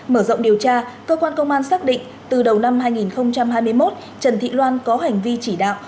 mở rộng điều tra cơ quan công an xác định từ đầu năm hai nghìn hai mươi một trần thị loan có hành vi chỉ đạo